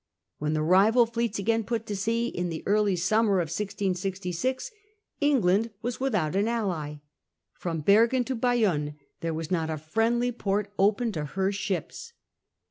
When the rival fleets again put to sea, in the early summer of 1666, England was without an ally. From Bergen to Bayonne there was not a friendly port open to her ships.